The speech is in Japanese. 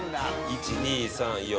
１２３４